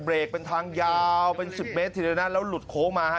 กเป็นทางยาวเป็นสิบเมตรทีเดียวนะแล้วหลุดโค้งมาฮะ